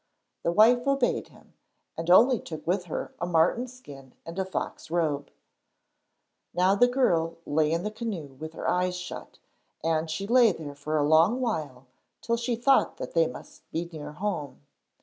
The wife obeyed him, and only took with her a marten skin and a fox robe. Now the girl lay in the canoe with her eyes shut, and she lay there for a long while till she thought that they must be near home.